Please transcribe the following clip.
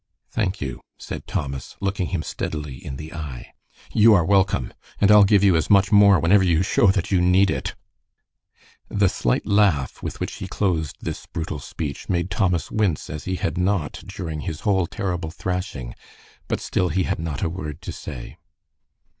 "Thank you," said Thomas, looking him steadily in the eye. "You are welcome. And I'll give you as much more whenever you show that you need it." The slight laugh with which he closed this brutal speech made Thomas wince as he had not during his whole terrible thrashing, but still he had not a word to say.